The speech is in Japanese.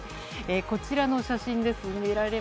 こちらの写真です。